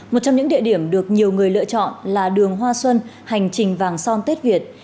một trong những địa điểm được nhiều người lựa chọn là đường hoa xuân hành trình vàng son tết việt